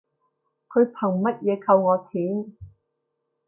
佢憑乜嘢扣我錢